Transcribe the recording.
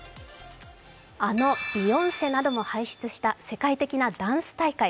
あのビヨンセなども輩出した世界的なダンス大会。